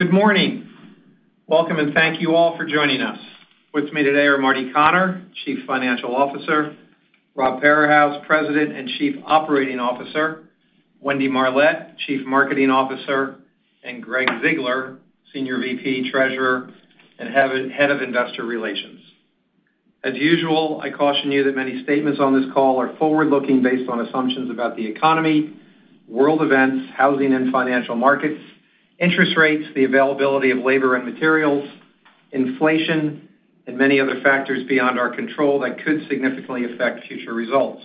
Good morning. Welcome, and thank you all for joining us. With me today are Marty Connor, Chief Financial Officer; Rob Parahus, President and Chief Operating Officer; Wendy Marlett, Chief Marketing Officer; and Gregg Ziegler, Senior Vice President, Treasurer, and Head of Investor Relations. As usual, I caution you that many statements on this call are forward-looking based on assumptions about the economy, world events, housing and financial markets, interest rates, the availability of labor and materials, inflation, and many other factors beyond our control that could significantly affect future results.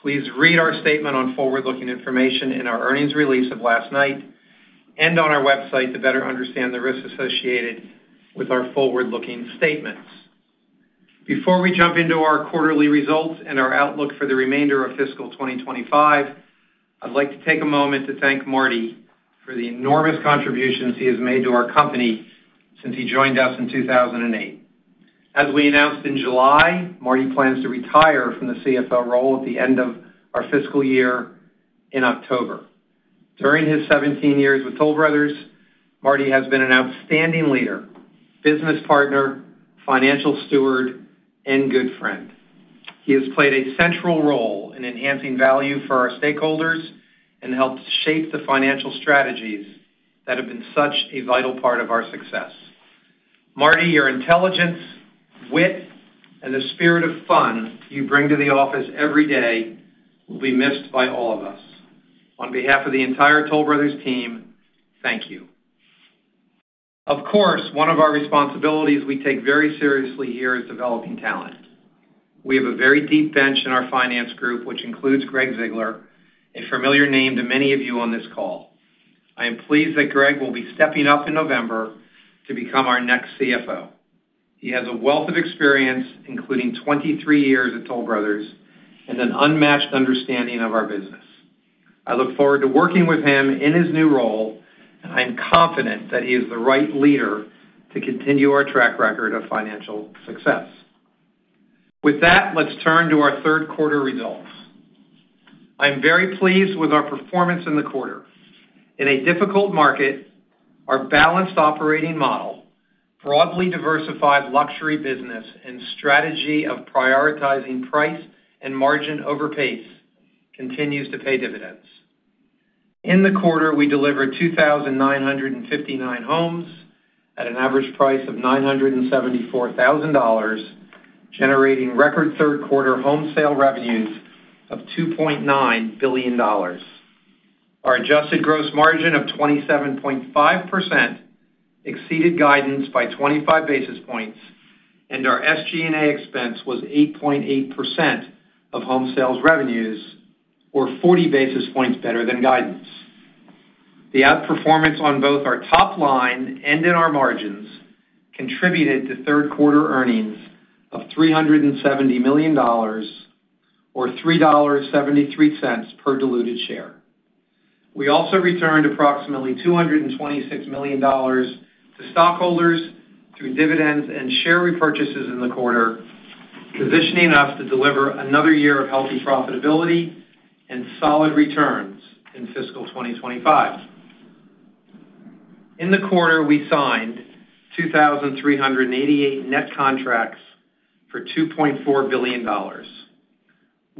Please read our statement on forward-looking information in our earnings release of last night and on our website to better understand the risks associated with our forward-looking statements. Before we jump into our quarterly results and our outlook for the remainder of fiscal 2025, I'd like to take a moment to thank Marty for the enormous contributions he has made to our company since he joined us in 2008. As we announced in July, Marty plans to retire from the CFO role at the end of our fiscal year in October. During his 17 years with Toll Brothers, Marty has been an outstanding leader, business partner, financial steward, and good friend. He has played a central role in enhancing value for our stakeholders and helped shape the financial strategies that have been such a vital part of our success. Marty, your intelligence, wit, and the spirit of fun you bring to the office every day will be missed by all of us. On behalf of the entire Toll Brothers team, thank you. Of course, one of our responsibilities we take very seriously here is developing talent. We have a very deep bench in our finance group, which includes Gregg Ziegler, a familiar name to many of you on this call. I am pleased that Gregg will be stepping up in November to become our next CFO. He has a wealth of experience, including 23 years at Toll Brothers, and an unmatched understanding of our business. I look forward to working with him in his new role, and I am confident that he is the right leader to continue our track record of financial success. With that, let's turn to our third quarter results. I am very pleased with our performance in the quarter. In a difficult market, our balanced operating model, broadly diversified luxury business, and strategy of prioritizing price and margin over pace continues to pay dividends. In the quarter, we delivered 2,959 homes at an average price of $974,000, generating record third-quarter home sale revenues of $2.9 billion. Our adjusted gross margin of 27.5% exceeded guidance by 25 basis points, and our SG&A expense was 8.8% of home sales revenues, or 40 basis points better than guidance. The outperformance on both our top line and in our margins contributed to third-quarter earnings of $370 million, or $3.73 per diluted share. We also returned approximately $226 million to stockholders through dividends and share repurchases in the quarter, positioning us to deliver another year of healthy profitability and solid returns in fiscal 2025. In the quarter, we signed 2,388 net contracts for $2.4 billion.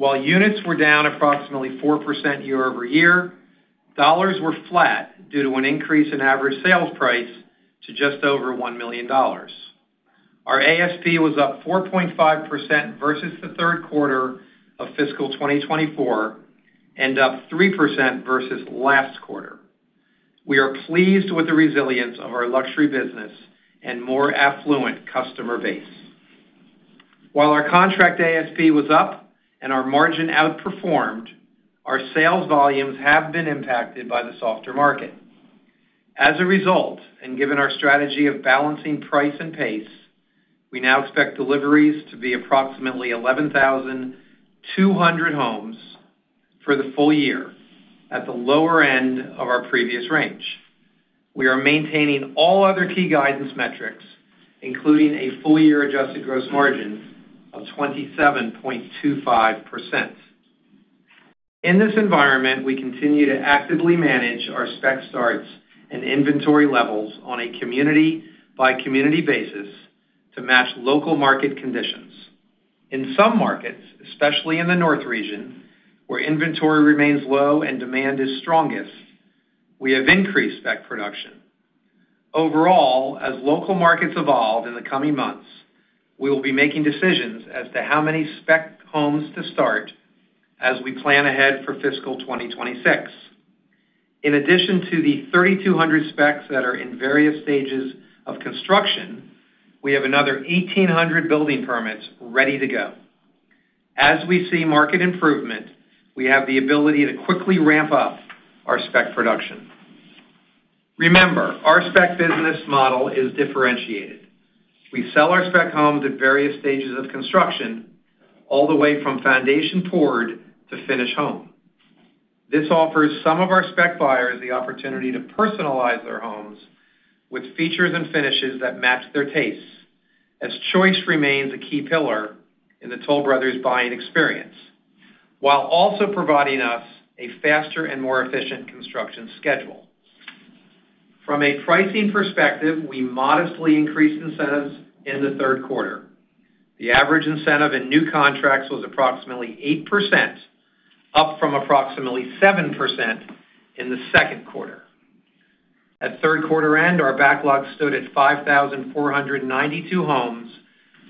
While units were down approximately 4% year-over-year, dollars were flat due to an increase in average sales price to just over $1 million. Our ASP was up 4.5% versus the third quarter of fiscal 2024 and up 3% versus last quarter. We are pleased with the resilience of our luxury business and more affluent customer base. While our contract ASP was up and our margin outperformed, our sales volumes have been impacted by the softer market. As a result, and given our strategy of balancing price and pace, we now expect deliveries to be approximately 11,200 homes for the full year at the lower end of our previous range. We are maintaining all other key guidance metrics, including a full-year adjusted gross margin of 27.25%. In this environment, we continue to actively manage our spec starts and inventory levels on a community-by-community basis to match local market conditions. In some markets, especially in the North region, where inventory remains low and demand is strongest, we have increased spec production. Overall, as local markets evolve in the coming months, we will be making decisions as to how many spec homes to start as we plan ahead for fiscal 2026. In addition to the 3,200 specs that are in various stages of construction, we have another 1,800 building permits ready to go. As we see market improvement, we have the ability to quickly ramp up our spec production. Remember, our spec business model is differentiated. We sell our spec homes at various stages of construction, all the way from foundation poured to finish home. This offers some of our spec buyers the opportunity to personalize their homes with features and finishes that match their tastes, as choice remains a key pillar in the Toll Brothers buying experience, while also providing us a faster and more efficient construction schedule. From a pricing perspective, we modestly increased incentives in the third quarter. The average incentive in new contracts was approximately 8%, up from approximately 7% in the second quarter. At third quarter end, our backlog stood at 5,492 homes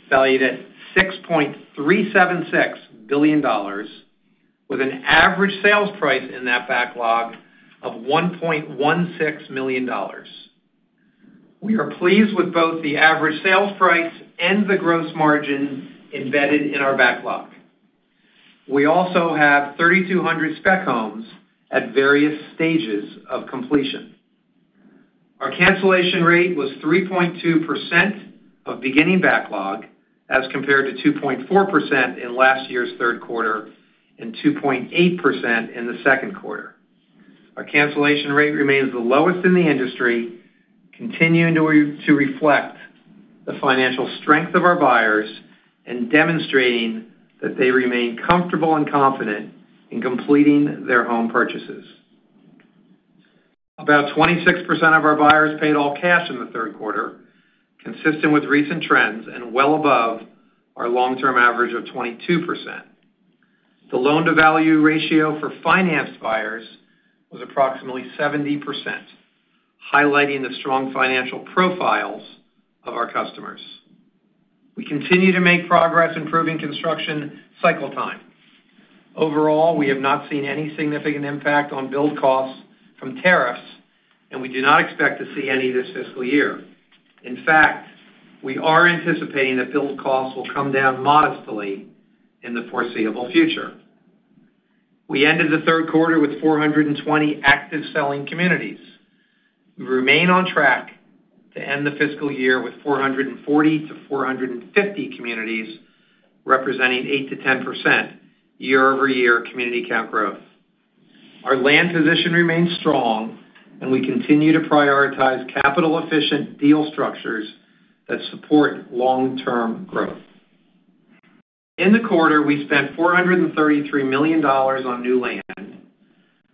valued at $6.376 billion, with an average sales price in that backlog of $1.16 million. We are pleased with both the average sales price and the gross margin embedded in our backlog. We also have 3,200 spec homes at various stages of completion. Our cancellation rate was 3.2% of beginning backlog, as compared to 2.4% in last year's third quarter and 2.8% in the second quarter. Our cancellation rate remains the lowest in the industry, continuing to reflect the financial strength of our buyers and demonstrating that they remain comfortable and confident in completing their home purchases. About 26% of our buyers paid all cash in the third quarter, consistent with recent trends and well above our long-term average of 22%. The loan-to-value ratio for financed buyers was approximately 70%, highlighting the strong financial profiles of our customers. We continue to make progress improving construction cycle time. Overall, we have not seen any significant impact on build costs from tariffs, and we do not expect to see any this fiscal year. In fact, we are anticipating that build costs will come down modestly in the foreseeable future. We ended the third quarter with 420 active selling communities. We remain on track to end the fiscal year with 440-450 communities, representing 8%-10% year-over-year community count growth. Our land position remains strong, and we continue to prioritize capital-efficient deal structures that support long-term growth. In the quarter, we spent $433 million on new land.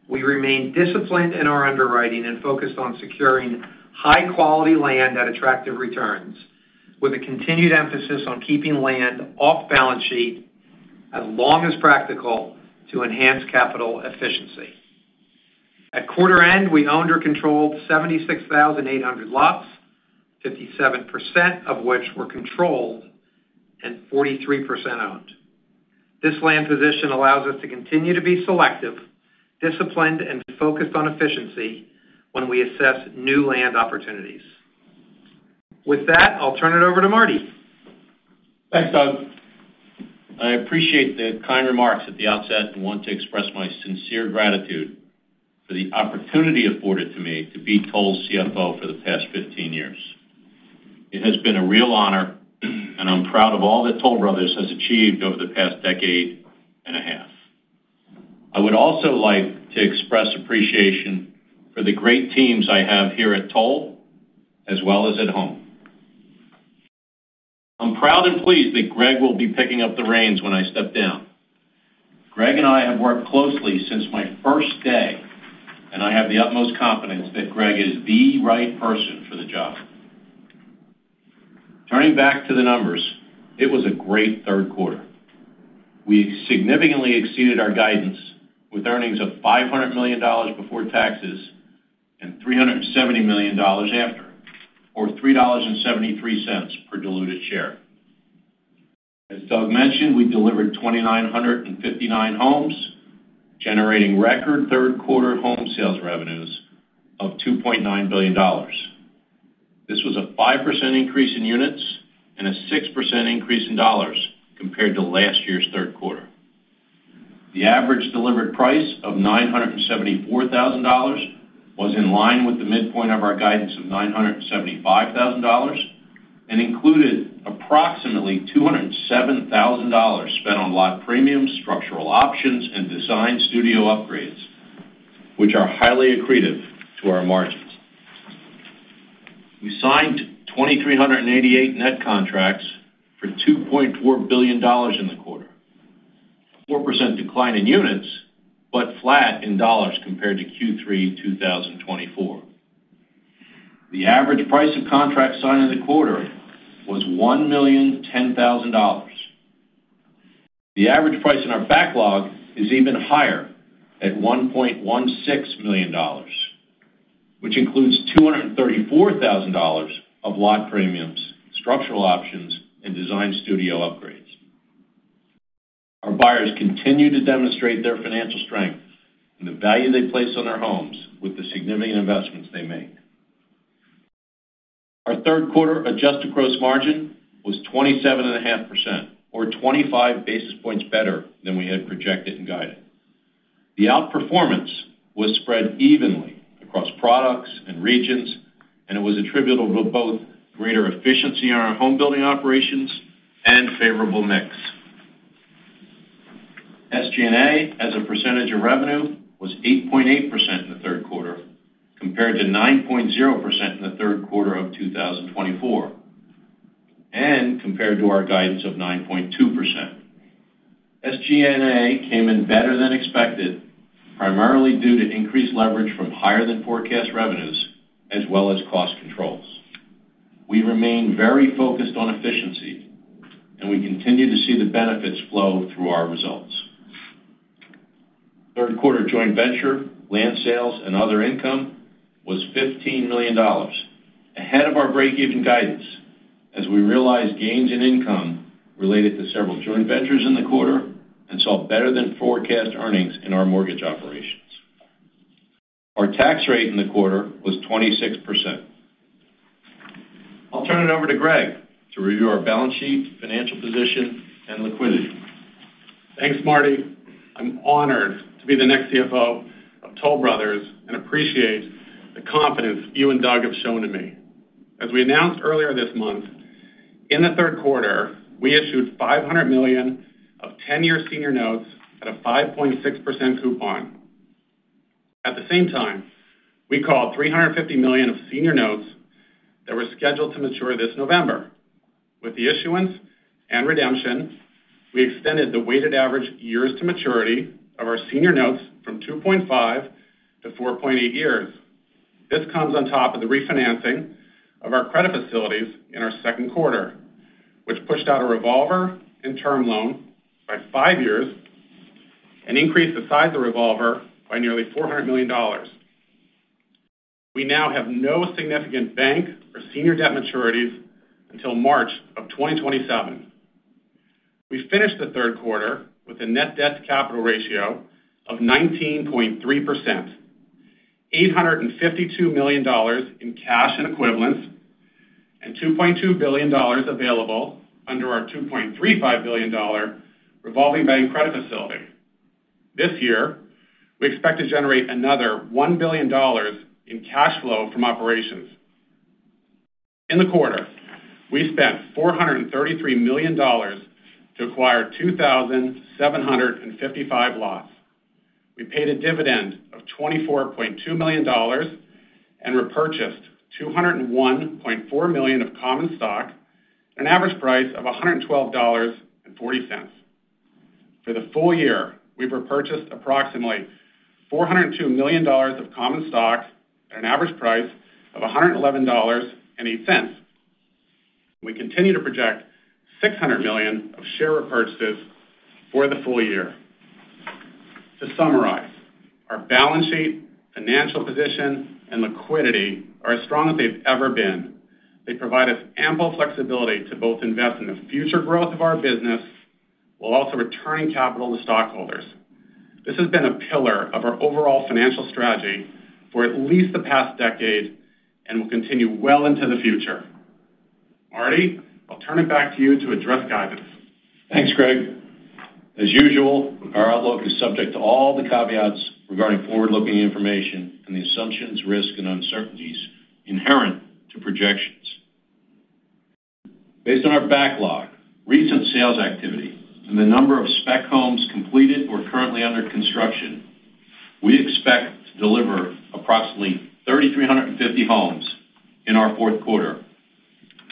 We remain disciplined in our underwriting and focused on securing high-quality land at attractive returns, with a continued emphasis on keeping land off balance sheet as long as practical to enhance capital efficiency. At quarter end, we owned or controlled 76,800 lots, 57% of which were controlled and 43% owned. This land position allows us to continue to be selective, disciplined, and focused on efficiency when we assess new land opportunities. With that, I'll turn it over to Marty. Thanks, Doug. I appreciate the kind remarks at the outset and want to express my sincere gratitude for the opportunity afforded to me to be Toll Brothers' CFO for the past 15 years. It has been a real honor, and I'm proud of all that Toll Brothers has achieved over the past decade and a half. I would also like to express appreciation for the great teams I have here at Toll Brothers, as well as at home. I'm proud and pleased that Gregg will be picking up the reins when I step down. Gregg and I have worked closely since my first day, and I have the utmost confidence that Gregg is the right person for the job. Turning back to the numbers, it was a great third quarter. We significantly exceeded our guidance with earnings of $500 million before taxes and $370 million after, or $3.73 per diluted share. As Doug mentioned, we delivered 2,959 homes, generating record third-quarter home sales revenues of $2.9 billion. This was a 5% increase in units and a 6% increase in dollars compared to last year's third quarter. The average delivered price of $974,000 was in line with the midpoint of our guidance of $975,000 and included approximately $207,000 spent on lot premiums, structural options, and design studio upgrades, which are highly accretive to our margins. We signed 2,388 net contracts for $2.4 billion in the quarter, a 4% decline in units, but flat in dollars compared to Q3 2024. The average price of contracts signed in the quarter was $1,010,000. The average price in our backlog is even higher at $1.16 million, which includes $234,000 of lot premiums, structural options, and design studio upgrades. Our buyers continue to demonstrate their financial strength and the value they place on their homes with the significant investments they make. Our third quarter adjusted gross margin was 27.5%, or 25 basis points better than we had projected and guided. The outperformance was spread evenly across products and regions, and it was attributable to both greater efficiency in our home building operations and favorable mix. SG&A, as a percentage of revenue, was 8.8% in the third quarter compared to 9.0% in the third quarter of 2024 and compared to our guidance of 9.2%. SG&A came in better than expected, primarily due to increased leverage from higher-than-forecast revenues, as well as cost controls. We remain very focused on efficiencies, and we continue to see the benefits flow through our results. Third quarter joint venture, land sales, and other income was $15 million, ahead of our breakeven guidance as we realized gains in income related to several joint ventures in the quarter and saw better-than-forecast earnings in our mortgage operations. Our tax rate in the quarter was 26%. I'll turn it over to Gregg to review our balance sheet, financial position, and liquidity. Thanks, Marty. I'm honored to be the next CFO of Toll Brothers and appreciate the confidence you and Doug have shown to me. As we announced earlier this month, in the third quarter, we issued $500 million of 10-year senior notes at a 5.6% coupon. At the same time, we called $350 million of senior notes that were scheduled to mature this November. With the issuance and redemption, we extended the weighted average years to maturity of our senior notes from 2.5 years to 4.8 years. This comes on top of the refinancing of our credit facilities in our second quarter, which pushed out a revolver and term loan by five years and increased the size of the revolver by nearly $400 million. We now have no significant bank or senior debt maturities until March of 2027. We finished the third quarter with a net debt-to-capital ratio of 19.3%, $852 million in cash and equivalents, and $2.2 billion available under our $2.35 billion revolving bank credit facility. This year, we expect to generate another $1 billion in cash flow from operations. In the quarter, we spent $433 million to acquire 2,755 lots. We paid a dividend of $24.2 million and repurchased $201.4 million of common stock at an average price of $112.40. For the full year, we repurchased approximately $402 million of common stock at an average price of $111.08. We continue to project $600 million of share repurchases for the full year. To summarize, our balance sheet, financial position, and liquidity are as strong as they've ever been. They provide us ample flexibility to both invest in the future growth of our business while also returning capital to stockholders. This has been a pillar of our overall financial strategy for at least the past decade and will continue well into the future. Marty, I'll turn it back to you to address guidance. Thanks, Gregg. As usual, our outlook is subject to all the caveats regarding forward-looking information and the assumptions, risks, and uncertainties inherent to projections. Based on our backlog, recent sales activity, and the number of spec homes completed or currently under construction, we expect to deliver approximately 3,350 homes in our fourth quarter,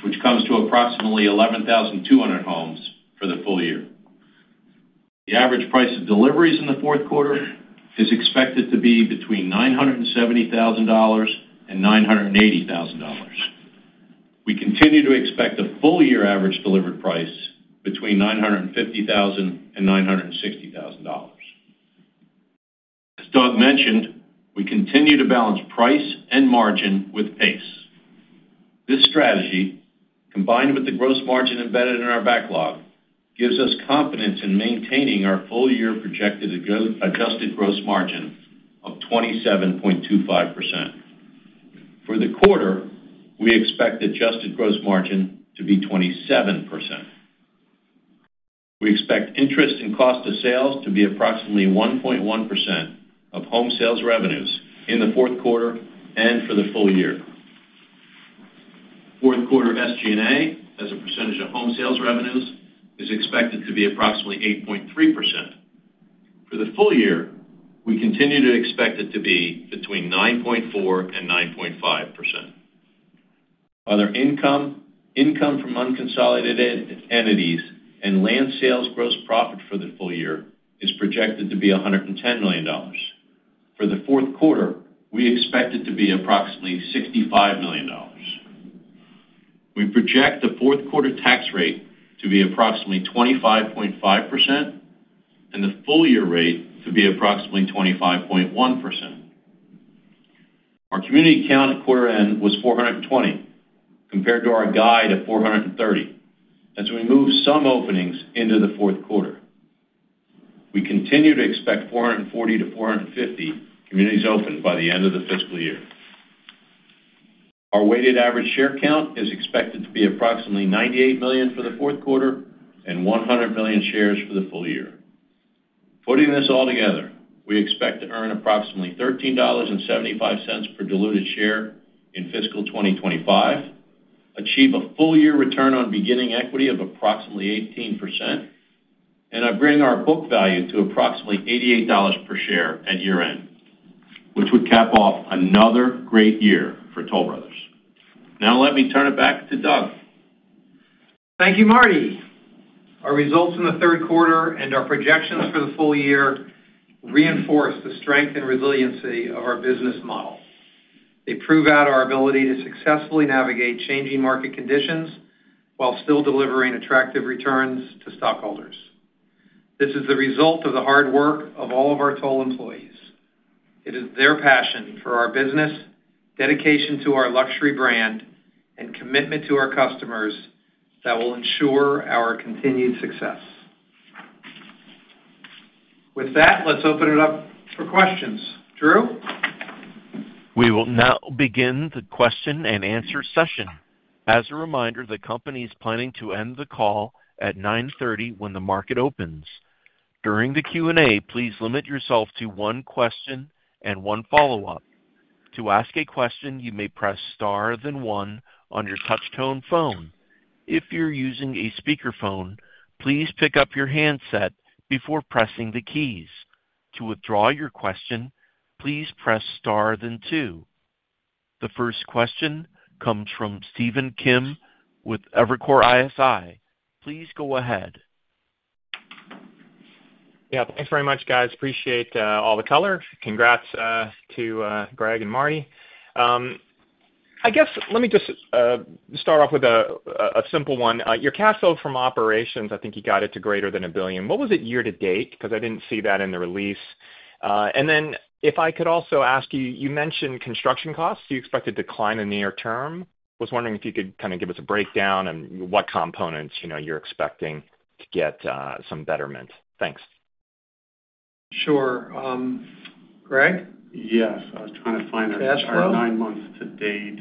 which comes to approximately 11,200 homes for the full year. The average price of deliveries in the fourth quarter is expected to be between $970,000 and $980,000. We continue to expect the full-year average delivered price between $950,000 and $960,000. As Doug mentioned, we continue to balance price and margin with pace. This strategy, combined with the gross margin embedded in our backlog, gives us confidence in maintaining our full-year projected adjusted gross margin of 27.25%. For the quarter, we expect adjusted gross margin to be 27%. We expect interest and cost of sales to be approximately 1.1% of home sales revenues in the fourth quarter and for the full year. Fourth quarter SG&A, as a percentage of home sales revenues, is expected to be approximately 8.3%. For the full year, we continue to expect it to be between 9.4% and 9.5%. Other income, income from unconsolidated entities, and land sales gross profit for the full year is projected to be $110 million. For the fourth quarter, we expect it to be approximately $65 million. We project the fourth quarter tax rate to be approximately 25.5% and the full-year rate to be approximately 25.1%. Our community count at quarter end was 420 compared to our guide at 430, as we moved some openings into the fourth quarter. We continue to expect 440-450 communities open by the end of the fiscal year. Our weighted average share count is expected to be approximately 98 million for the fourth quarter and 100 million shares for the full year. Putting this all together, we expect to earn approximately $13.75 per diluted share in fiscal 2025, achieve a full-year return on beginning equity of approximately 18%, and bring our book value to approximately $88 per share at year-end, which would cap off another great year for Toll Brothers. Now, let me turn it back to Doug. Thank you, Marty. Our results in the third quarter and our projections for the full year reinforce the strength and resiliency of our business model. They prove out our ability to successfully navigate changing market conditions while still delivering attractive returns to stockholders. This is the result of the hard work of all of our Toll employees. It is their passion for our business, dedication to our luxury brand, and commitment to our customers that will ensure our continued success. With that, let's open it up for questions. Drew? We will now begin the question-and-answer session. As a reminder, the company is planning to end the call at 9:30 A.M. when the market opens. During the Q&A, please limit yourself to one question and one follow-up. To ask a question, you may press star then one on your touch-tone phone. If you're using a speakerphone, please pick up your handset before pressing the keys. To withdraw your question, please press star then two. The first question comes from Stephen Kim with Evercore ISI. Please go ahead. Yeah, thanks very much, guys. Appreciate all the color. Congrats to Gregg and Marty. I guess let me just start off with a simple one. Your cash flow from operations, I think you got it to greater than $1 billion. What was it year to date? I didn't see that in the release. If I could also ask you, you mentioned construction costs you expect to decline in the near term. I was wondering if you could kind of give us a breakdown on what components you're expecting to get some betterment. Thanks. Sure. Greg? I was trying to find our chart. Yeah, sure. Nine months to date,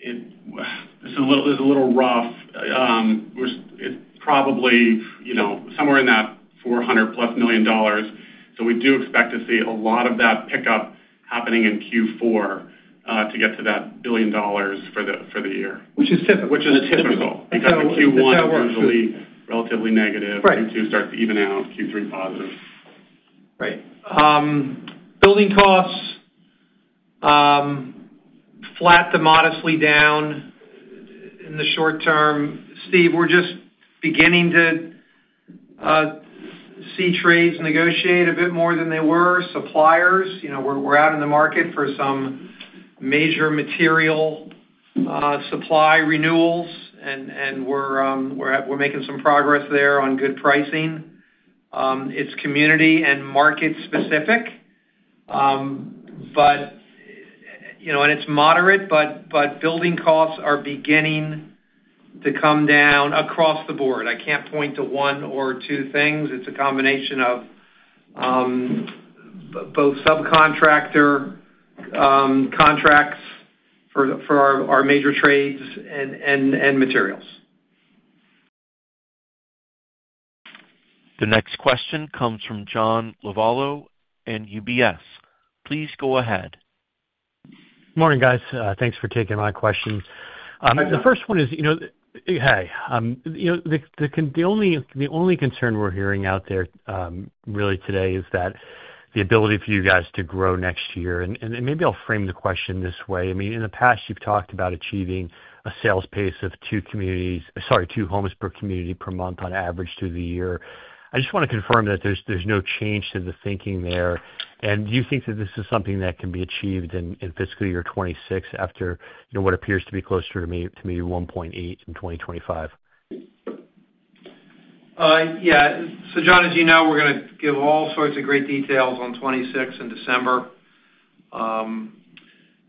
it's a little rough. It's probably somewhere in that $400+ million. We do expect to see a lot of that pickup happening in Q4 to get to that $1 billion for the year. Which is typical. Which is typical. Exactly. Q1 is going to be relatively negative. Right. Q2 starts to even out. Q3 positive. Right. Building costs flat to modestly down in the short term. Steve, we're just beginning to see trades negotiate a bit more than they were. Suppliers, you know, we're out in the market for some major material supply renewals, and we're making some progress there on good pricing. It's community and market-specific, but you know, and it's moderate, but building costs are beginning to come down across the board. I can't point to one or two things. It's a combination of both subcontractor contracts for our major trades and materials. The next question comes from John Lovallo and UBS. Please go ahead. Morning, guys. Thanks for taking my questions. The first one is, you know, the only concern we're hearing out there really today is that the ability for you guys to grow next year. Maybe I'll frame the question this way. In the past, you've talked about achieving a sales pace of two homes per community per month on average through the year. I just want to confirm that there's no change to the thinking there. Do you think that this is something that can be achieved in fiscal year 2026 after what appears to be closer to maybe 1.8 in 2025? Yeah. John, as you know, we're going to give all sorts of great details on 2026 in December.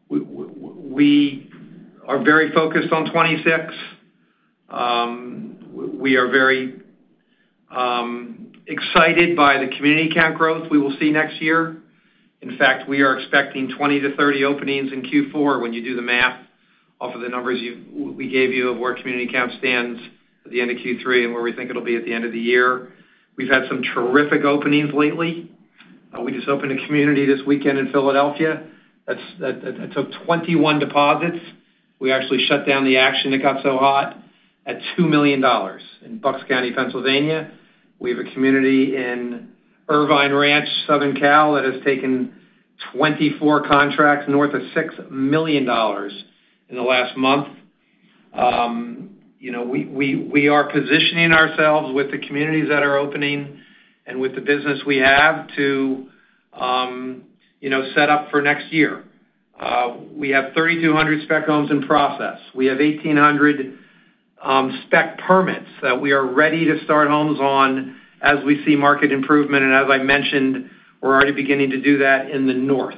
We are very focused on 2026. We are very excited by the community count growth we will see next year. In fact, we are expecting 20-30 openings in Q4. When you do the math off of the numbers we gave you of where community count stands at the end of Q3 and where we think it'll be at the end of the year, we've had some terrific openings lately. We just opened a community this weekend in Philadelphia that took 21 deposits. We actually shut down the action that got so hot at $2 million in Bucks County, Pennsylvania. We have a community in Irvine Ranch, Southern Cal, that has taken 24 contracts north of $6 million in the last month. We are positioning ourselves with the communities that are opening and with the business we have to set up for next year. We have 3,200 spec homes in process. We have 1,800 spec permits that we are ready to start homes on as we see market improvement. As I mentioned, we're already beginning to do that in the north.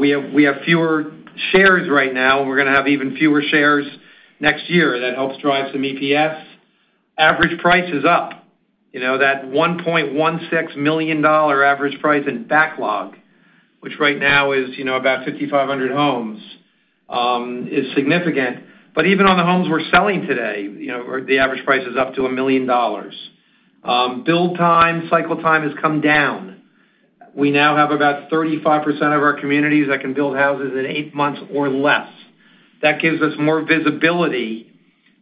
We have fewer shares right now, and we're going to have even fewer shares next year. That helps drive some EPS. Average price is up. That $1.16 million average price in backlog, which right now is about 5,500 homes, is significant. Even on the homes we're selling today, the average price is up to $1 million. Build time, cycle time has come down. We now have about 35% of our communities that can build houses in eight months or less. That gives us more visibility,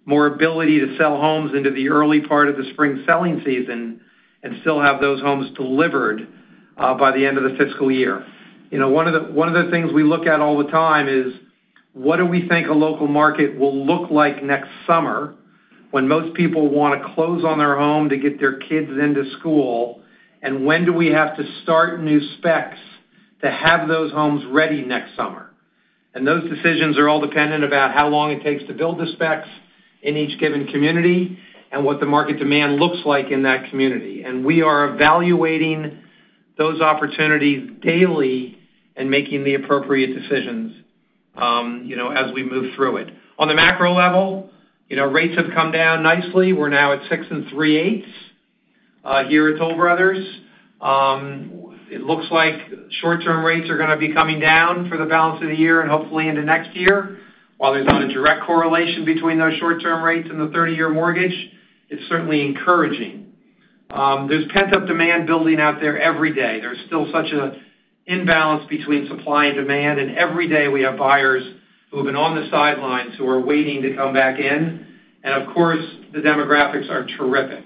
more ability to sell homes into the early part of the spring selling season and still have those homes delivered by the end of the fiscal year. One of the things we look at all the time is what do we think a local market will look like next summer when most people want to close on their home to get their kids into school? When do we have to start new specs to have those homes ready next summer? Those decisions are all dependent on how long it takes to build the specs in each given community and what the market demand looks like in that community. We are evaluating those opportunities daily and making the appropriate decisions as we move through it. On the macro level, rates have come down nicely. We're now at 6.375% here at Toll Brothers. It looks like short-term rates are going to be coming down for the balance of the year and hopefully into next year. While there's not a direct correlation between those short-term rates and the 30-year mortgage, it's certainly encouraging. There's pent-up demand building out there every day. There's still such an imbalance between supply and demand, and every day we have buyers who have been on the sidelines who are waiting to come back in. Of course, the demographics are terrific.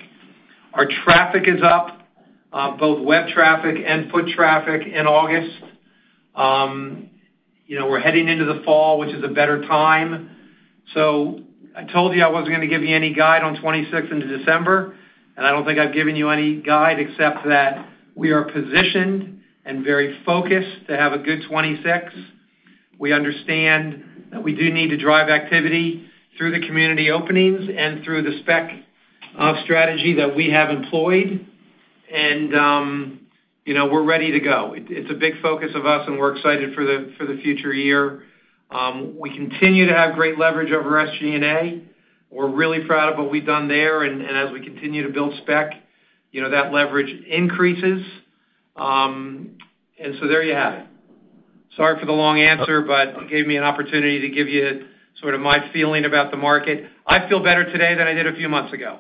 Our traffic is up, both web traffic and foot traffic in August. We're heading into the fall, which is a better time. I told you I wasn't going to give you any guide on 2026 into December, and I don't think I've given you any guide except that we are positioned and very focused to have a good 2026. We understand that we do need to drive activity through the community openings and through the spec strategy that we have employed. We're ready to go. It's a big focus of us, and we're excited for the future year. We continue to have great leverage over SG&A. We're really proud of what we've done there. As we continue to build spec, that leverage increases. There you have it. Sorry for the long answer, but it gave me an opportunity to give you sort of my feeling about the market. I feel better today than I did a few months ago.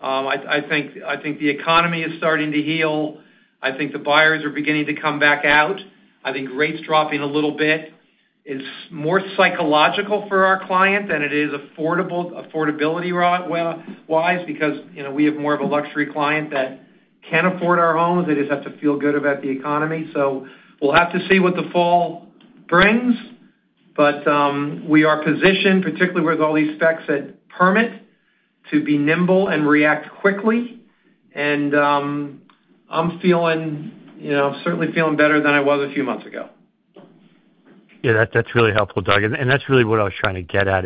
I think the economy is starting to heal. I think the buyers are beginning to come back out. I think rates are dropping a little bit. It's more psychological for our client than it is affordability-wise because we have more of a luxury client that can afford our homes. They just have to feel good about the economy. We'll have to see what the fall brings. We are positioned, particularly with all these specs that permit, to be nimble and react quickly. I'm certainly feeling better than I was a few months ago. Yeah, that's really helpful, Doug. That's really what I was trying to get at.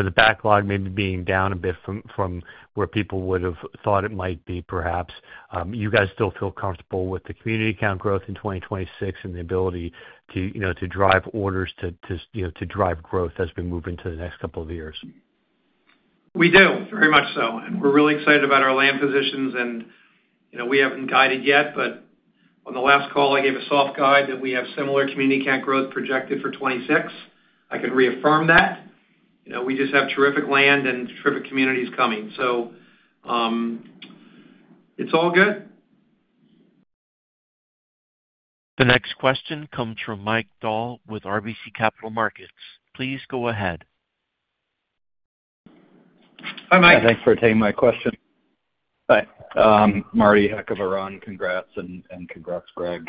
The backlog may be down a bit from where people would have thought it might be, perhaps. You guys still feel comfortable with the community count growth in 2026 and the ability to drive orders to drive growth as we move into the next couple of years? We do, very much so. We're really excited about our land positions. We haven't guided yet, but on the last call, I gave a soft guide that we have similar community count growth projected for 2026. I can reaffirm that. We just have terrific land and terrific communities coming. It's all good. The next question comes from Mike Dahl with RBC Capital Markets. Please go ahead. Hi, Mike. Thanks for taking my question. Hi. Marty Connor, congrats and congrats, Gregg.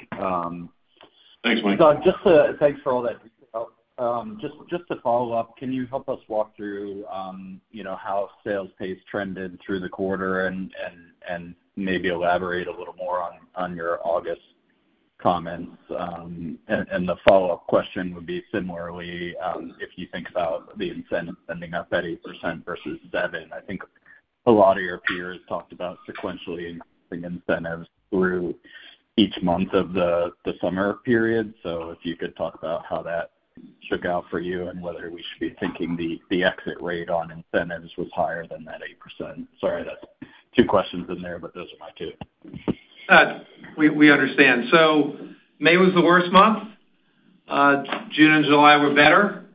Thanks, Mike. Doug, thanks for all that detail. Just to follow up, can you help us walk through how sales pace trended through the quarter and maybe elaborate a little more on your August comments? The follow-up question would be, similarly, if you think about the incentive ending up at 8% versus Devin, I think a lot of your peers talked about sequentially increasing incentives through each month of the summer period. If you could talk about how that shook out for you and whether we should be thinking the exit rate on incentives was higher than that 8%. Sorry, that's two questions in there, but those are my two. We understand. May was the worst month. June and July were better.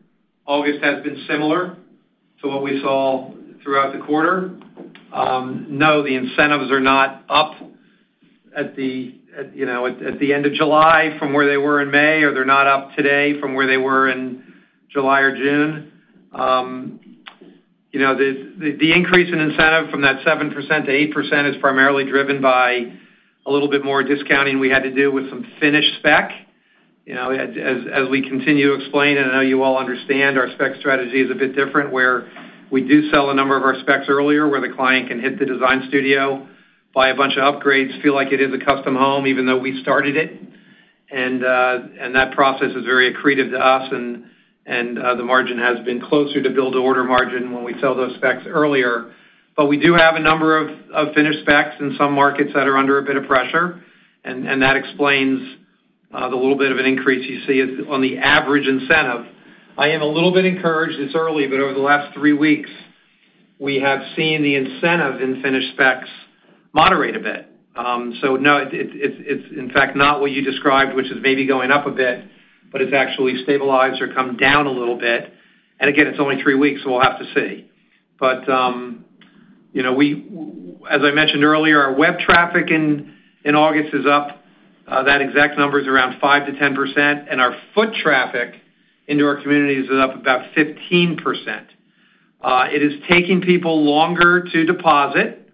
August has been similar to what we saw throughout the quarter. No, the incentives are not up at the end of July from where they were in May, or they're not up today from where they were in July or June. The increase in incentive from that 7% to 8% is primarily driven by a little bit more discounting we had to do with some finished spec. As we continue to explain, and I know you all understand, our spec strategy is a bit different, where we do sell a number of our specs earlier, where the client can hit the design studio, buy a bunch of upgrades, feel like it is a custom home even though we started it. That process is very accretive to us, and the margin has been closer to build-to-order margin when we sell those specs earlier. We do have a number of finished specs in some markets that are under a bit of pressure, and that explains the little bit of an increase you see on the average incentive. I am a little bit encouraged. It's early, but over the last three weeks, we have seen the incentive in finished specs moderate a bit. No, it's in fact not what you described, which is maybe going up a bit, but it's actually stabilized or come down a little bit. Again, it's only three weeks, so we'll have to see. As I mentioned earlier, our web traffic in August is up. That exact number is around 5%-10%, and our foot traffic into our communities is up about 15%. It is taking people longer to deposit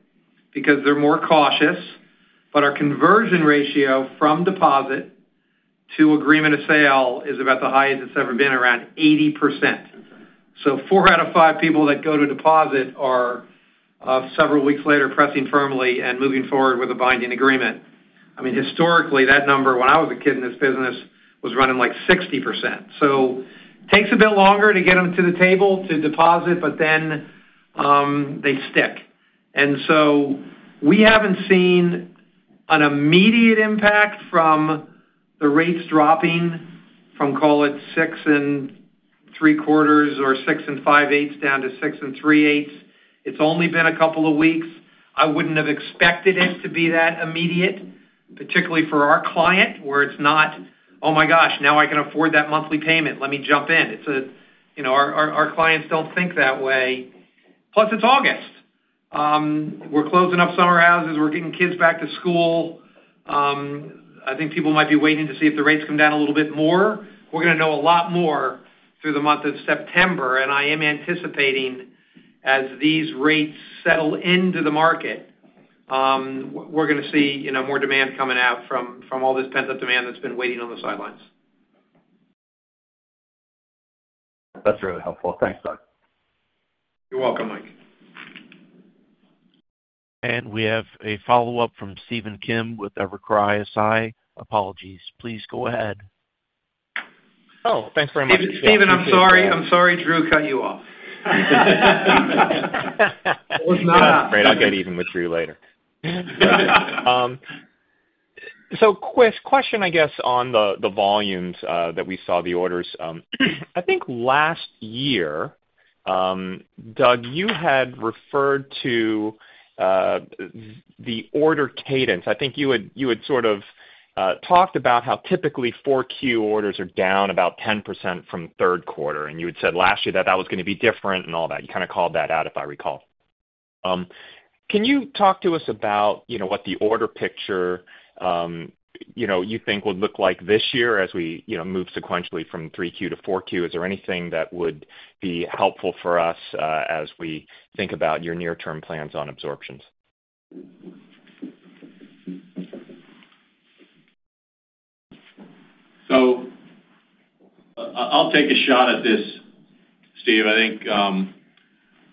because they're more cautious, but our conversion ratio from deposit to agreement of sale is about the highest it's ever been, around 80%. Four out of five people that go to deposit are several weeks later pressing firmly and moving forward with a binding agreement. Historically, that number, when I was a kid in this business, was running like 60%. It takes a bit longer to get them to the table to deposit, but then they stick. We haven't seen an immediate impact from the rates dropping from, call it, 6.75% or 6.625% down to 6.375%. It's only been a couple of weeks. I wouldn't have expected it to be that immediate, particularly for our client, where it's not, "Oh my gosh, now I can afford that monthly payment. Let me jump in." Our clients don't think that way. Plus, it's August. We're closing up summer houses. We're getting kids back to school. I think people might be waiting to see if the rates come down a little bit more. We're going to know a lot more through the month of September. I am anticipating, as these rates settle into the market, we're going to see more demand coming out from all this pent-up demand that's been waiting on the sidelines. That's really helpful. Thanks, Doug. You're welcome, Mike. We have a follow-up from Stephen Kim with Evercore ISI. Apologies, please go ahead. Oh, thanks very much. Steven, I'm sorry. I'm sorry Drew cut you off. Right. I'll get even with Drew later. Quick question on the volumes that we saw, the orders. I think last year, Doug, you had referred to the order cadence. I think you had talked about how typically 4Q orders are down about 10% from the third quarter, and you had said last year that that was going to be different and all that. You kind of called that out, if I recall. Can you talk to us about what the order picture you think would look like this year as we move sequentially from 3Q to 4Q? Is there anything that would be helpful for us as we think about your near-term plans on absorptions? I'll take a shot at this, Steve. I think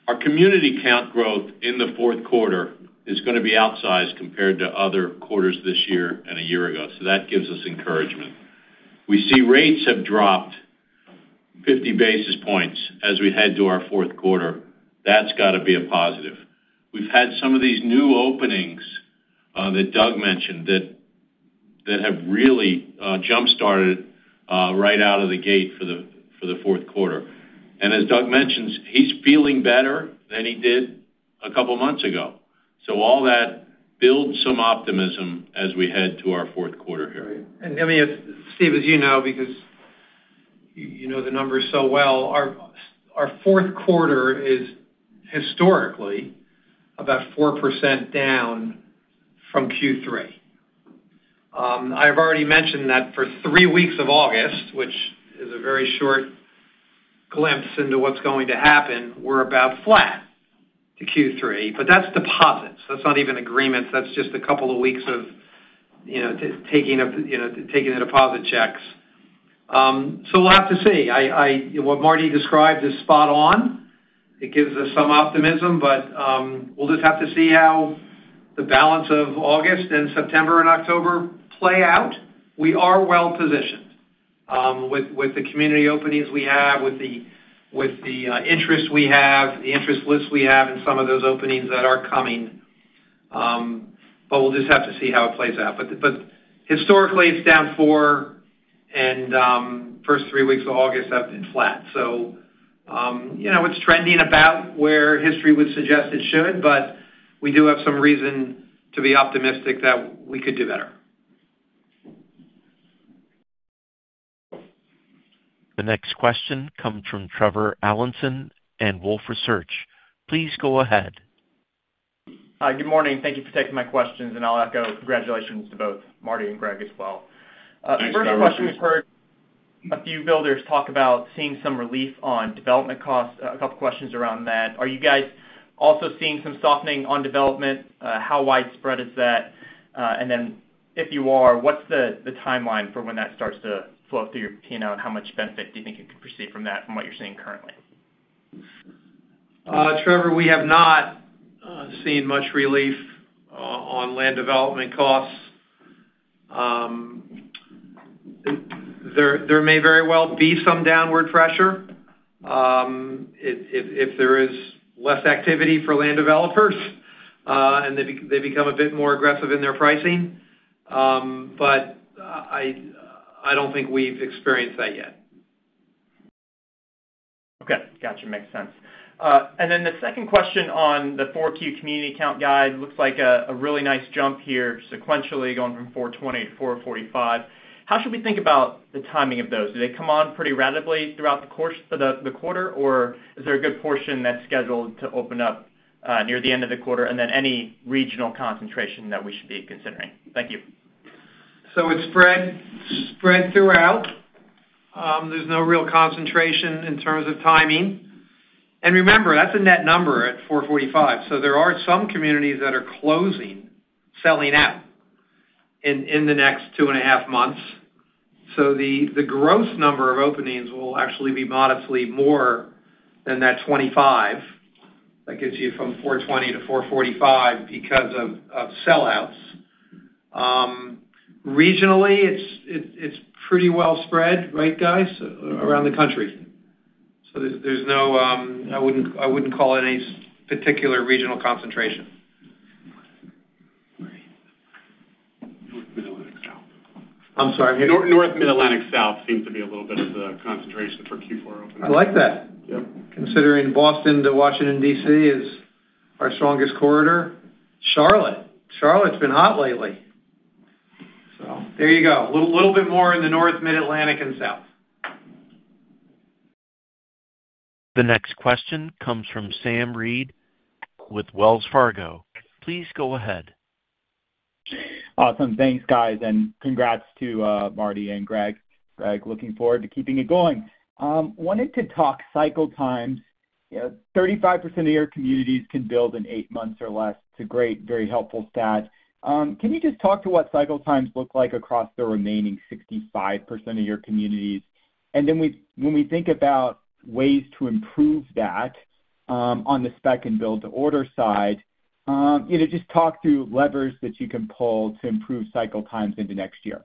our community count growth in the fourth quarter is going to be outsized compared to other quarters this year and a year ago. That gives us encouragement. We see rates have dropped 50 basis points as we head to our fourth quarter. That's got to be a positive. We've had some of these new openings that Doug mentioned that have really jump-started right out of the gate for the fourth quarter. As Doug mentions, he's feeling better than he did a couple of months ago. All that builds some optimism as we head to our fourth quarter period. As you know, because you know the numbers so well, our fourth quarter is historically about 4% down from Q3. I've already mentioned that for three weeks of August, which is a very short glimpse into what's going to happen, we're about flat to Q3. That's deposits. That's not even agreements. That's just a couple of weeks of taking the deposit checks. We'll have to see. What Marty described is spot on. It gives us some optimism, but we'll just have to see how the balance of August and September and October play out. We are well positioned with the community openings we have, with the interest we have, the interest loops we have in some of those openings that are coming. We'll just have to see how it plays out. Historically, it's down 4%, and the first three weeks of August have been flat. It's trending about where history would suggest it should, but we do have some reason to be optimistic that we could do better. The next question comes from Trevor Allinson and Wolfe Research. Please go ahead. Hi, good morning. Thank you for taking my questions, and I'll echo congratulations to both Marty and Gregg as well. Thank you. First question, we've heard a few builders talk about seeing some relief on development costs. A couple of questions around that. Are you guys also seeing some softening on development? How widespread is that? If you are, what's the timeline for when that starts to flow through your P&L, and how much benefit do you think you could perceive from that and what you're seeing currently? Trevor, we have not seen much relief on land development costs. There may very well be some downward pressure if there is less activity for land developers and they become a bit more aggressive in their pricing. I don't think we've experienced that yet. Okay. Gotcha. Makes sense. The second question on the 4Q community count guide looks like a really nice jump here sequentially going from 420 to 445. How should we think about the timing of those? Do they come on pretty rapidly throughout the course of the quarter, or is there a good portion that's scheduled to open up near the end of the quarter, and then any regional concentration that we should be considering? Thank you. It is spread throughout. There is no real concentration in terms of timing. Remember, that is a net number at 445. There are some communities that are closing, selling out in the next two and a half months. The gross number of openings will actually be modestly more than that 25 that gives you from 420 to 445 because of sellouts. Regionally, it is pretty well spread, right, guys, around the country. There is no, I would not call it a particular regional concentration. I'm sorry. North, Mid-Atlantic, South seems to be a little bit of the concentration for Q4 openings. I like that. Yep. Considering Boston to Washington, DC is our strongest corridor. Charlotte's been hot lately. There you go, a little bit more in the North Mid-Atlantic and South. The next question comes from Sam Reid with Wells Fargo Securities. Please go ahead. Awesome. Thanks, guys, and congrats to Marty and Greg. Looking forward to keeping it going. I wanted to talk cycle times. You know, 35% of your communities can build in eight months or less. It's a great, very helpful stat. Can you just talk to what cycle times look like across the remaining 65% of your communities? When we think about ways to improve that on the spec and build-to-order side, you know, just talk through levers that you can pull to improve cycle times into next year.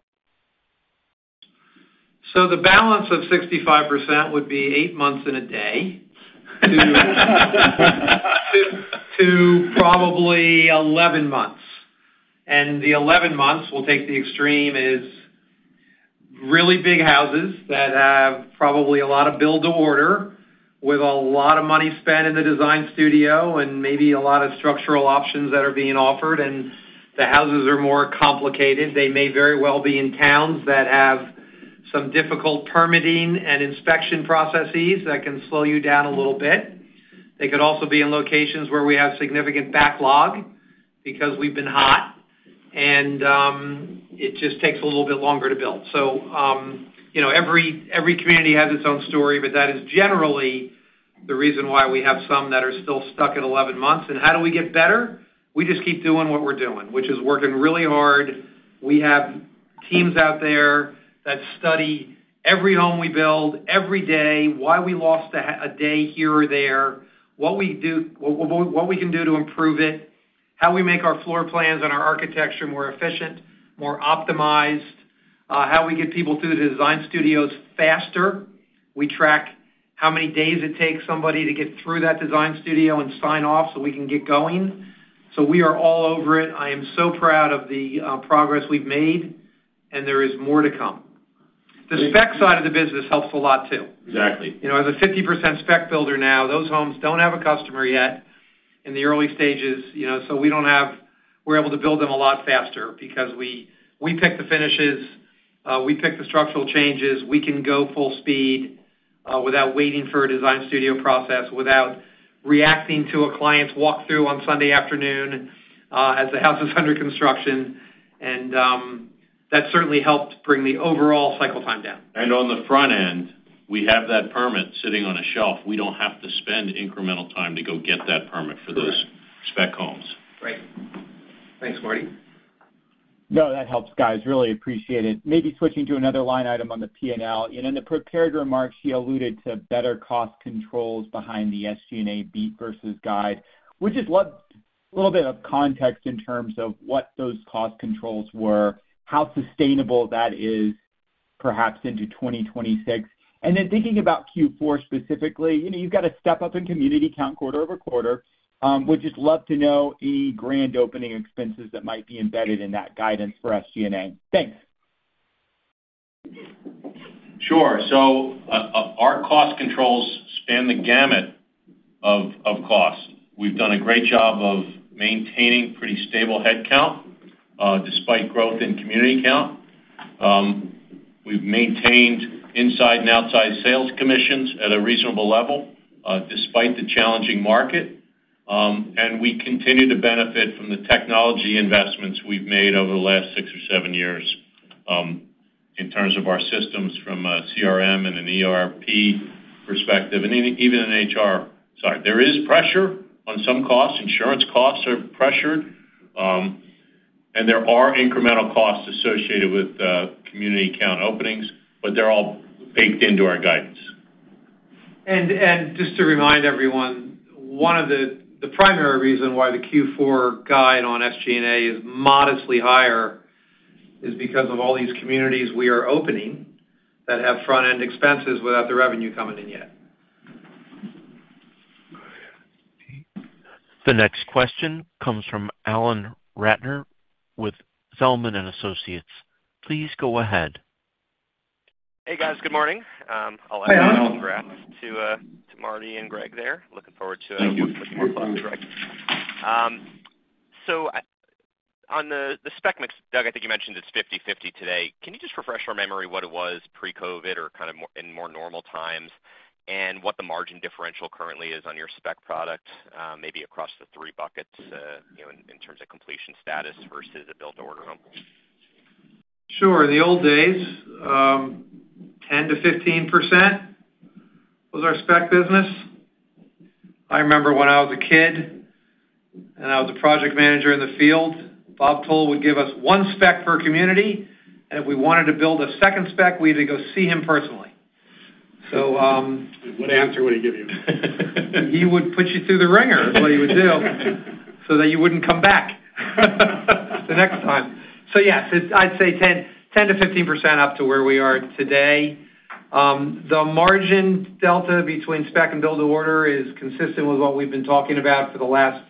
The balance of 65% would be eight months and a day to probably 11 months. The 11 months will take the extreme, which is really big houses that have probably a lot of build-to-order with a lot of money spent in the design studio and maybe a lot of structural options that are being offered. The houses are more complicated. They may very well be in towns that have some difficult permitting and inspection processes that can slow you down a little bit. They could also be in locations where we have significant backlog because we've been hot, and it just takes a little bit longer to build. Every community has its own story, but that is generally the reason why we have some that are still stuck at 11 months. How do we get better? We just keep doing what we're doing, which is working really hard. We have teams out there that study every home we build every day, why we lost a day here or there, what we do, what we can do to improve it, how we make our floor plans and our architecture more efficient, more optimized, how we get people through the design studios faster. We track how many days it takes somebody to get through that design studio and sign off so we can get going. We are all over it. I am so proud of the progress we've made, and there is more to come. The spec side of the business helps a lot too. Exactly. You know, as a 50% spec builder now, those homes don't have a customer yet in the early stages, you know, so we're able to build them a lot faster because we pick the finishes, we pick the structural changes. We can go full speed without waiting for a design studio process, without reacting to a client's walkthrough on Sunday afternoon as the house is under construction. That certainly helped bring the overall cycle time down. On the front end, we have that permit sitting on a shelf. We don't have to spend incremental time to go get that permit for those spec homes. Right. Thanks, Marty. No, that helps, guys. Really appreciate it. Maybe switching to another line item on the P&L. In the prepared remarks, you alluded to better cost controls behind the SG&A beat versus guide. Would just love a little bit of context in terms of what those cost controls were, how sustainable that is, perhaps into 2026. Thinking about Q4 specifically, you've got to step up in community count quarter-over-quarter. Would just love to know any grand opening expenses that might be embedded in that guidance for SG&A. Thanks. Sure. Our cost controls span the gamut of costs. We've done a great job of maintaining pretty stable headcount despite growth in community count. We've maintained inside and outside sales commissions at a reasonable level despite the challenging market. We continue to benefit from the technology investments we've made over the last six or seven years in terms of our systems from a CRM and an ERP perspective. Even in HR, there is pressure on some costs. Insurance costs are pressured, and there are incremental costs associated with community count openings, but they're all baked into our guidance. Just to remind everyone, one of the primary reasons why the Q4 guide on SG&A is modestly higher is because of all these communities we are opening that have front-end expenses without the revenue coming in yet. The next question comes from Alan Ratner with Zelman & Associates. Please go ahead. Hey, guys. Good morning. I'll let congrats to Marty and Greg there. Looking forward to working with you more closely, Greg. On the spec mix, Doug, I think you mentioned it's 50/50 today. Can you just refresh our memory what it was pre-COVID or kind of in more normal times, and what the margin differential currently is on your spec product, maybe across the three buckets, in terms of completion status versus a build-to-order home? Sure. In the old days, 10%-15% was our spec business. I remember when I was a kid and I was a Project Manager in the field, Bob Toll would give us one spec for a community, and if we wanted to build a second spec, we had to go see him personally. What answer would he give you? He would put you through the wringer is what he would do so that you wouldn't come back the next time. I'd say 10%-15% up to where we are today. The margin delta between spec and build-to-order is consistent with what we've been talking about for the last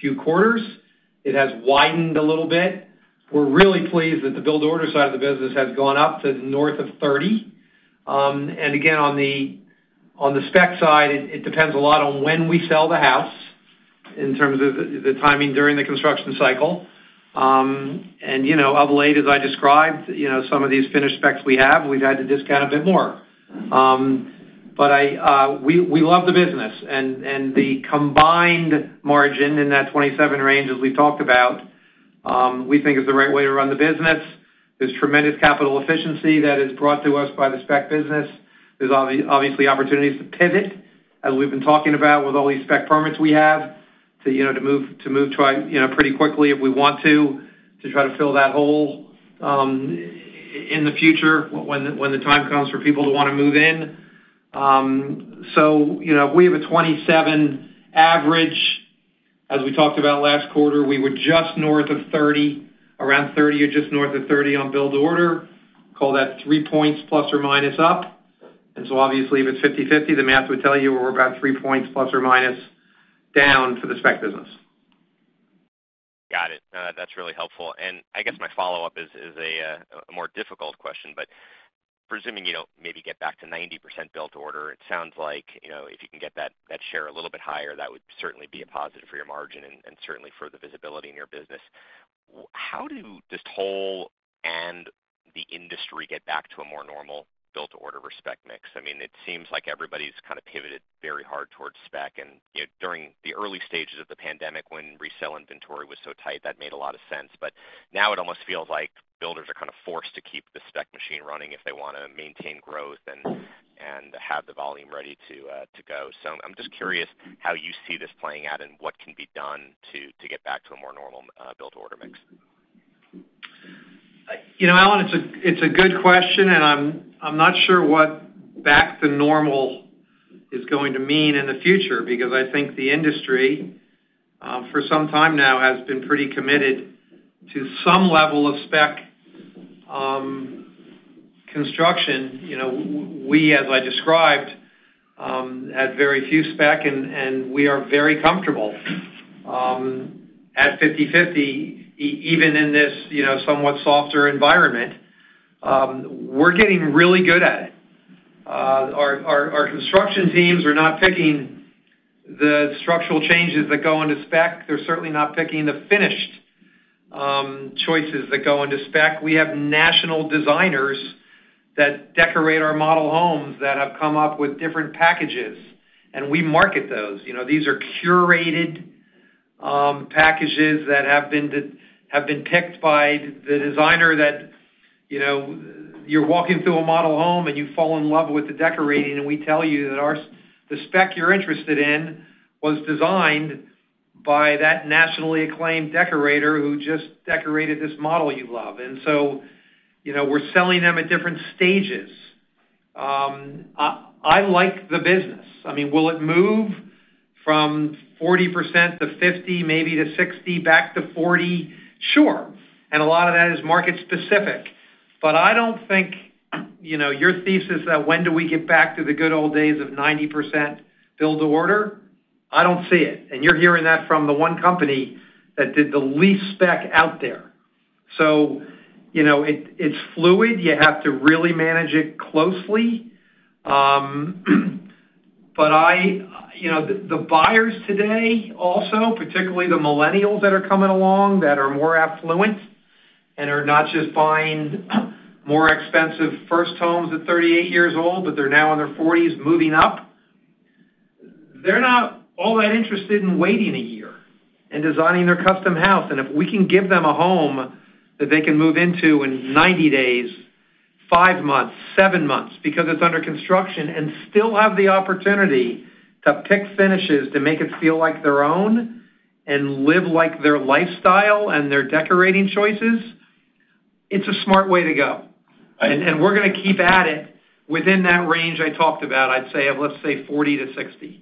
few quarters. It has widened a little bit. We're really pleased that the build-to-order side of the business has gone up to north of 30%. Again, on the spec side, it depends a lot on when we sell the house in terms of the timing during the construction cycle. Of late, as I described, some of these finished specs we have, we've had to discount a bit more. We love the business. The combined margin in that 27% range, as we've talked about, we think is the right way to run the business. There's tremendous capital efficiency that is brought to us by the spec business. There are obviously opportunities to pivot, as we've been talking about with all these spec permits we have, to move pretty quickly if we want to, to try to fill that hole in the future when the time comes for people to want to move in. If we have a 27% average, as we talked about last quarter, we were just north of 30%, around 30% or just north of 30% on build-to-order. Call that three points plus or minus up. Obviously, if it's 50/50, the math would tell you we're about three points plus or minus down for the spec business. Got it. No, that's really helpful. I guess my follow-up is a more difficult question, but presuming you don't maybe get back to 90% build-to-order, it sounds like if you can get that share a little bit higher, that would certainly be a positive for your margin and certainly for the visibility in your business. How do Toll Brothers and the industry get back to a more normal build-to-order spec mix? I mean, it seems like everybody's kind of pivoted very hard towards spec. During the early stages of the pandemic, when resale inventory was so tight, that made a lot of sense. Now it almost feels like builders are kind of forced to keep the spec machine running if they want to maintain growth and have the volume ready to go. I'm just curious how you see this playing out and what can be done to get back to a more normal build-to-order mix. Alan, it's a good question, and I'm not sure what back to normal is going to mean in the future because I think the industry for some time now has been pretty committed to some level of spec construction. As I described, we had very few spec, and we are very comfortable at 50/50, even in this somewhat softer environment. We're getting really good at it. Our construction teams are not picking the structural changes that go into spec. They're certainly not picking the finished choices that go into spec. We have national designers that decorate our model homes that have come up with different packages, and we market those. These are curated packages that have been picked by the designer. You're walking through a model home and you fall in love with the decorating, and we tell you that the spec you're interested in was designed by that nationally acclaimed decorator who just decorated this model you love. We're selling them at different stages. I like the business. Will it move from 40% to 50%, maybe to 60%, back to 40%? Sure. A lot of that is market specific. I don't think your thesis that when do we get back to the good old days of 90% build-to-order, I don't see it. You're hearing that from the one company that did the least spec out there. It's fluid. You have to really manage it closely. The buyers today also, particularly the millennials that are coming along that are more affluent and are not just buying more expensive first homes at 38 years old, but they're now in their 40s moving up, they're not all that interested in waiting a year and designing their custom house. If we can give them a home that they can move into in 90 days, five months, seven months, because it's under construction and still have the opportunity to pick finishes to make it feel like their own and live like their lifestyle and their decorating choices, it's a smart way to go. We're going to keep at it within that range I talked about. I'd say of, let's say, 40%-60%.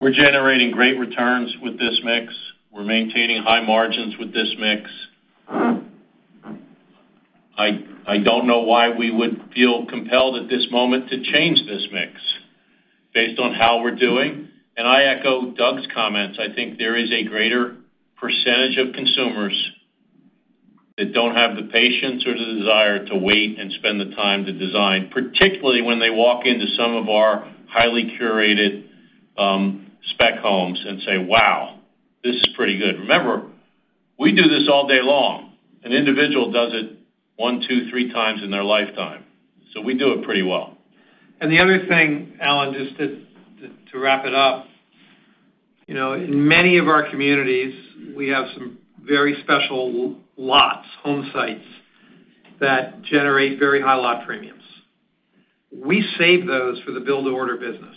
We're generating great returns with this mix. We're maintaining high margins with this mix. I don't know why we would feel compelled at this moment to change this mix based on how we're doing. I echo Doug's comments. I think there is a greater percentage of consumers that don't have the patience or the desire to wait and spend the time to design, particularly when they walk into some of our highly curated spec homes and say, "Wow, this is pretty good." Remember, we do this all day long. An individual does it one, two, three times in their lifetime. We do it pretty well. The other thing, Alan, just to wrap it up, you know, in many of our communities, we have some very special lots, home sites that generate very high lot premiums. We save those for the build-to-order business.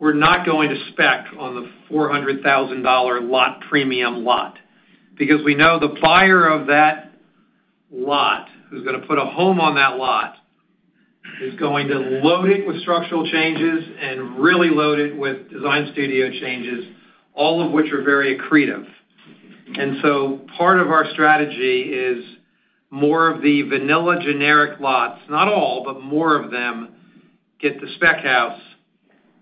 We're not going to spec on the $400,000 lot premium lot because we know the buyer of that lot, who's going to put a home on that lot, is going to load it with structural changes and really load it with design studio changes, all of which are very accretive. Part of our strategy is more of the vanilla generic lots, not all, but more of them get the spec house,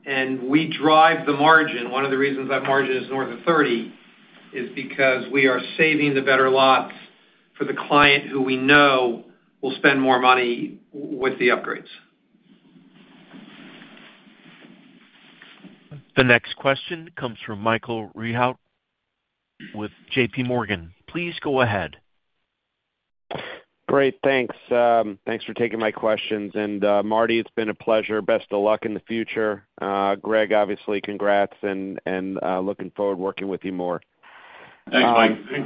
and we drive the margin. One of the reasons that margin is north of 30% is because we are saving the better lots for the client who we know will spend more money with the upgrades. The next question comes from Michael Rehaut with JPMorgan. Please go ahead. Great. Thanks. Thanks for taking my questions. Marty, it's been a pleasure. Best of luck in the future. Gregg, obviously, congrats and looking forward to working with you more. Thanks, Mike.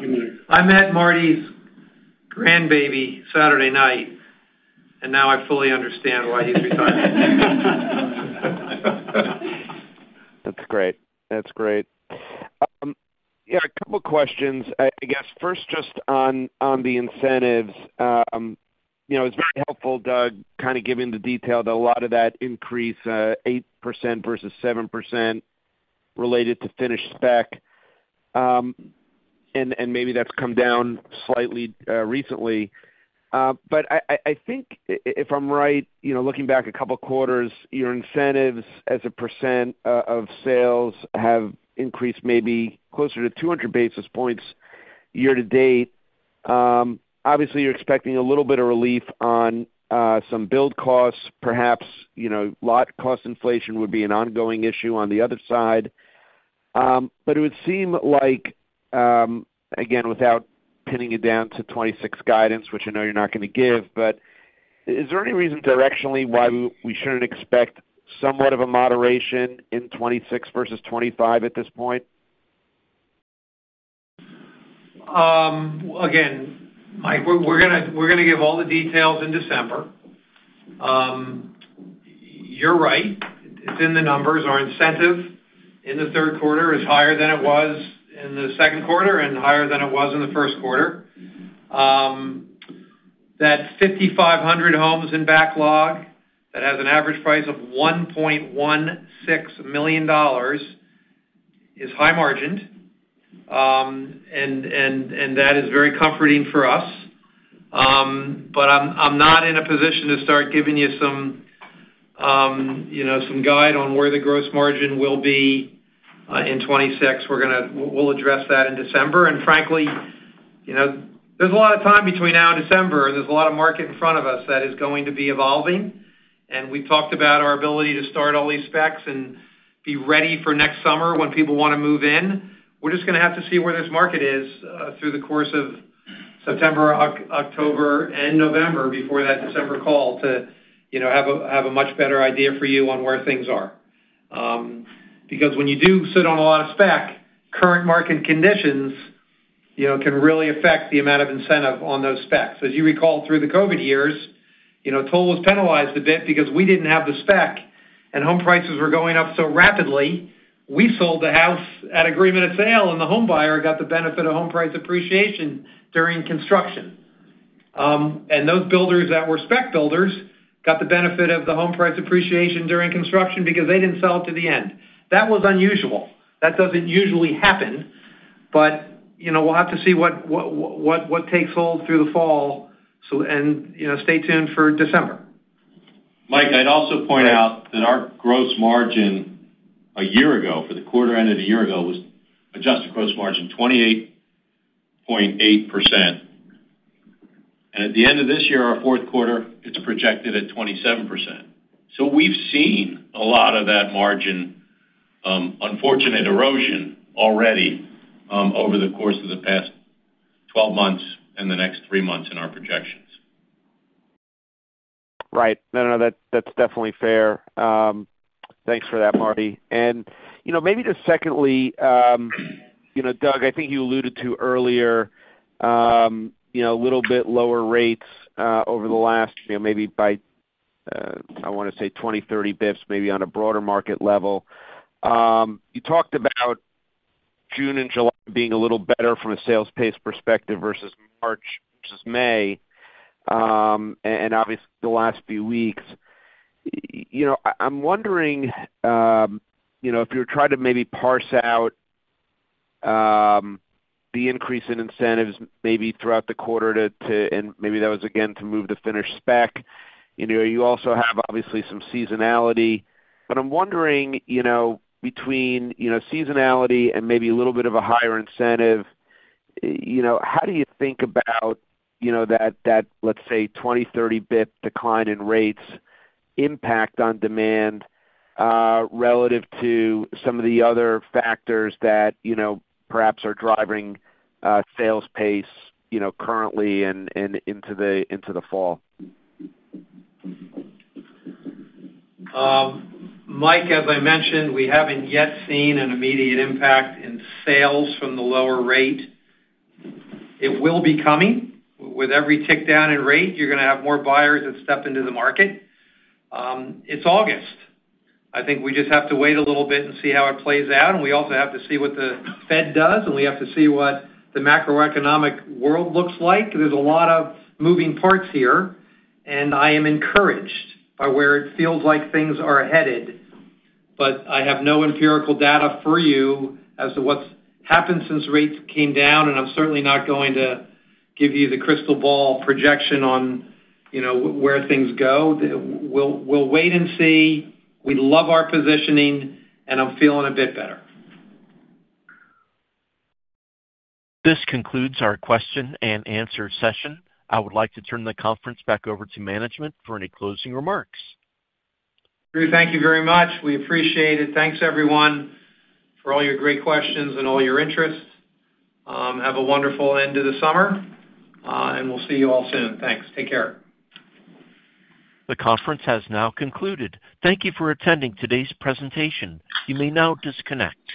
I met Marty's grandbaby Saturday night, and now I fully understand why he's retired. That's great. That's great. Yeah, a couple of questions. I guess first just on the incentives. You know, it's very helpful, Doug, kind of giving detail that a lot of that increase, 8% versus 7%, related to finished spec, and maybe that's come down slightly recently. I think if I'm right, looking back a couple of quarters, your incentives as a percent of sales have increased maybe closer to 200 basis points year to date. Obviously, you're expecting a little bit of relief on some build costs. Perhaps, you know, lot cost inflation would be an ongoing issue on the other side. It would seem like, again, without pinning it down to 2026 guidance, which I know you're not going to give, is there any reason directionally why we shouldn't expect somewhat of a moderation in 2026 versus 2025 at this point? Again, Mike, we're going to give all the details in December. You're right. It's in the numbers. Our incentive in the third quarter is higher than it was in the second quarter and higher than it was in the first quarter. That's 5,500 homes in backlog that has an average price of $1.16 million, is high margined, and that is very comforting for us. I'm not in a position to start giving you some guide on where the gross margin will be in 2026. We'll address that in December. Frankly, there's a lot of time between now and December, and there's a lot of market in front of us that is going to be evolving. We talked about our ability to start all these specs and be ready for next summer when people want to move in. We just have to see where this market is through the course of September, October, and November before that December call to have a much better idea for you on where things are. When you do sit on a lot of spec, current market conditions can really affect the amount of incentive on those specs. As you recall, through the COVID years, Toll Brothers was penalized a bit because we didn't have the spec, and home prices were going up so rapidly. We sold the house at agreement of sale, and the home buyer got the benefit of home price appreciation during construction. Those builders that were spec builders got the benefit of the home price appreciation during construction because they didn't sell it to the end. That was unusual. That doesn't usually happen. We'll have to see what takes hold through the fall. Stay tuned for December. Mike, I'd also point out that our gross margin a year ago, for the quarter ended a year ago, was adjusted gross margin 28.8%. At the end of this year, our fourth quarter, it's projected at 27%. We've seen a lot of that margin, unfortunate erosion already, over the course of the past 12 months and the next three months in our projections. Right. No, no, that's definitely fair. Thanks for that, Marty. Maybe just secondly, Doug, I think you alluded to earlier, a little bit lower rates over the last, maybe by, I want to say, 20 basis points, 30 basis points maybe on a broader market level. You talked about June and July being a little better from a sales pace perspective versus March versus May. Obviously, the last few weeks, I'm wondering if you were trying to maybe parse out the increase in incentives maybe throughout the quarter, and maybe that was again to move the finished spec. You also have obviously some seasonality. I'm wondering, between seasonality and maybe a little bit of a higher incentive, how do you think about that, that let's say 20 basis points, 30 basis points decline in rates impact on demand, relative to some of the other factors that perhaps are driving sales pace currently and into the fall? Mike, as I mentioned, we haven't yet seen an immediate impact in sales from the lower rate. It will be coming. With every tick down in rate, you're going to have more buyers that step into the market. It's August. I think we just have to wait a little bit and see how it plays out. We also have to see what the Fed does, and we have to see what the macroeconomic world looks like. There are a lot of moving parts here. I am encouraged by where it feels like things are headed. I have no empirical data for you as to what's happened since rates came down. I'm certainly not going to give you the crystal ball projection on, you know, where things go. We'll wait and see. We love our positioning, and I'm feeling a bit better. This concludes our question-and-answer session. I would like to turn the conference back over to management for any closing remarks. Thank you very much. We appreciate it. Thanks, everyone, for all your great questions and all your interests. Have a wonderful end of the summer, and we'll see you all soon. Thanks. Take care. The conference has now concluded. Thank you for attending today's presentation. You may now disconnect.